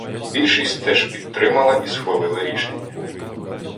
Більшість теж підтримала і схвалила рішення.